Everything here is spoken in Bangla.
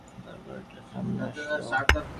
তারপর এটা সামনে আসলো।